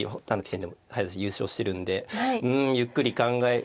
他の棋戦でも早指し優勝してるんでゆっくり考え